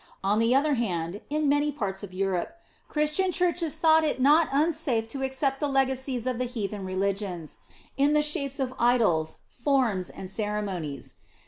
On the other hand, in many parts of Europe, Christian churches thought it not unsafe to accept the legacies of the heathen religions in the shapes of idols, forms, and ceremonies.